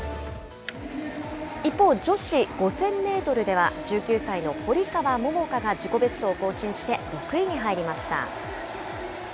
一方、女子５０００メートルでは１９歳の堀川桃香が自己ベストを更新して６位に入りました。